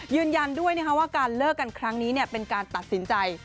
ยืนยันด้วยว่าการเลิกกันครั้งนี้เป็นการตัดสินใจ